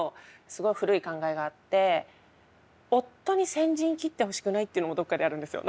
すごい古い考えがあって夫に先陣切ってほしくないっていうのもどっかであるんですよ。